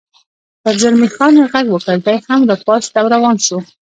پر زلمی خان مې غږ وکړ، دی هم را پاڅېد او روان شو.